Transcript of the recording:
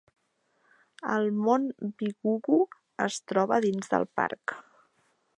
El Mont Bigugu es troba dins del parc.